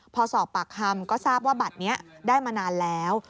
พอสอบปากคำก็ทราบว่าบัตรนี้ได้มานานแล้ว